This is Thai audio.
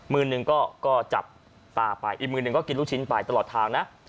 มือหนึ่งก็จับตาไปอีกมือหนึ่งก็กินลูกชิ้นไปตลอดทางนะ